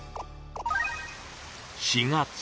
４月。